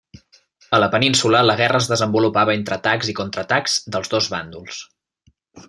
A la península, la guerra es desenvolupava entre atacs i contraatacs dels dos bàndols.